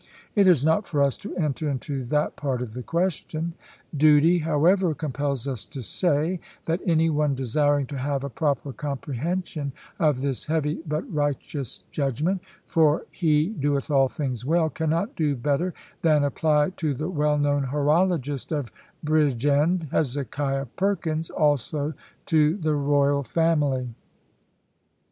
It is not for us to enter into that part of the question. Duty, however, compels us to say, that any one desiring to have a proper comprehension of this heavy but righteous judgment for He doeth all things well cannot do better than apply to the well known horologist of Bridgend, Hezekiah Perkins, also to the royal family."